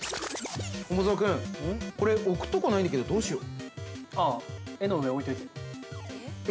◆これ、置くとこないんだけど、どうしよう。